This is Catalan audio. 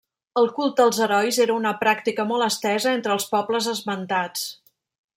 El culte als herois era una pràctica molt estesa entre els pobles esmentats.